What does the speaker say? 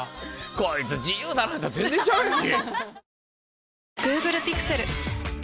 こいつ自由だなって全然ちゃうやんけ！